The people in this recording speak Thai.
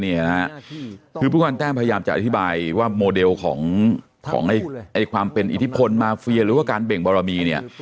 คือพี่พุทธควรแป้งพยายามจะอธิบายว่าโมเดลของความเป็นอิทธิพลมาเฟียหรือการเบ่งบรมี